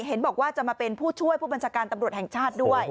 เห็นบอกว่าจะมาเป็นผู้ช่วยผู้บัญชาการตำรวจแห่งชาติด้วย